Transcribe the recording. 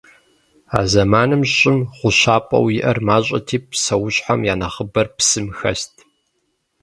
А зэманым Щӏым гъущапӏэу иӏэр мащӏэти, псэущхьэм я нэхъыбэр псым хэст.